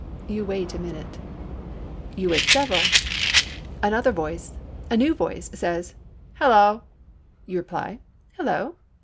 You wait a minute. You wait several. Another voice—a new voice says "Hello." You reply "Hello."